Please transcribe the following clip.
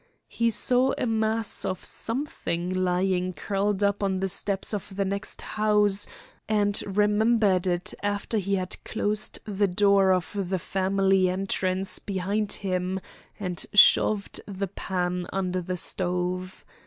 He saw a mass of something lying curled up on the steps of the next house, and remembered it after he had closed the door of the family entrance behind him and shoved the pan under the stove.